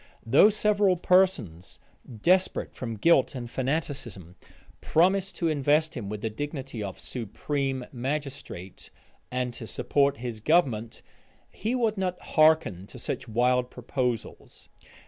Though several persons, desperate from guilt and fanaticism, promised to invest him with the dignity of supreme magistrate, and to support his government, he would not hearken to such wild proposals.